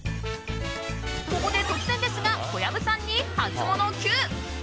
ここで突然ですが小籔さんにハツモノＱ！